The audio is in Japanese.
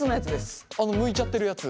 あのむいちゃってるやつ。